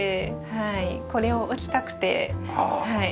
これを置きたくてはい。